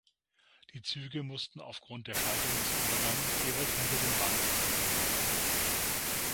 Die Züge mussten aufgrund der Schaltung des Übergangs jeweils hinter dem Bahnübergang anhalten.